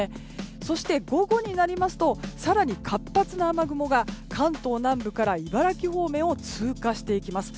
そして、午後になりますと更に活発な雨雲が関東南部から茨城方面を通過していきます。